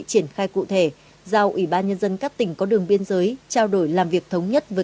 triển khai cụ thể giao ủy ban nhân dân các tỉnh có đường biên giới trao đổi làm việc thống nhất với